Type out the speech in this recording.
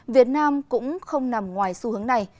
việt nam cũng không nằm ngoài xu hướng này